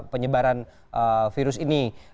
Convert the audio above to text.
penyebaran virus ini